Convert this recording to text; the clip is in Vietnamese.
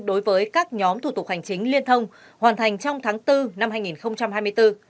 đối với các nhóm thủ tục hành chính liên thông hoàn thành trong tháng bốn năm hai nghìn hai mươi bốn